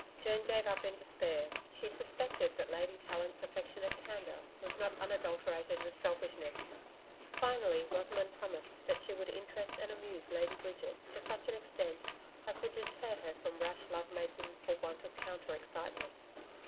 Joan gave up in despair. She suspected that Lady Tallant's affectionate candour was not unadulterated with selfishness. Finally, Rosamond promised that she would interest and amuse Lady Bridget to such an extent as would deter her from rash love making for want of counter excitement.